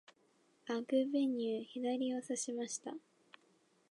アグベニュー、左をさしました。